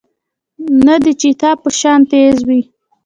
نۀ د چيتا پۀ شان تېز وي